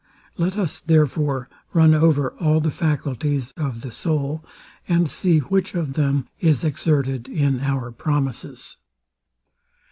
Let us, therefore, run over all the faculties of the soul, and see which of them is exerted in our promises.